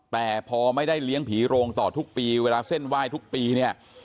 แต่พอไม่ได้เลี้ยงผีโรงต่อทุกปีเวลาเส้นไหว้ทุกปีเนี่ย